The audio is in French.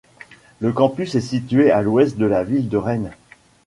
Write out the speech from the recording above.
Le campus est situé à l'Ouest de la ville de Rennes.